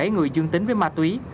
bảy người dương tính với ma túy